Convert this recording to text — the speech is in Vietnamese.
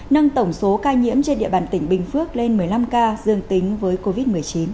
nâng tổng số ca nhiễm trên địa bàn tỉnh bình phước lên một mươi năm ca dương tính với covid một mươi chín